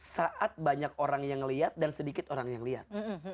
saat banyak orang yang melihat dan sedikit orang yang lihat